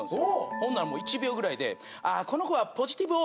ほんなら１秒ぐらいで「ああこの子は」